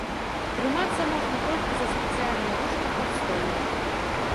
Трымацца можна толькі за спецыяльныя ручкі пад столлю.